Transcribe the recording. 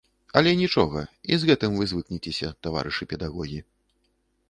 Але нічога, і з гэтым вы звыкніцеся, таварышы педагогі.